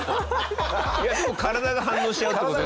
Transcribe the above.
いやでも体が反応しちゃうって事だよね。